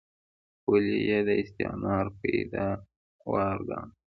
پولې یې د استعمار پیداوار ګاڼه.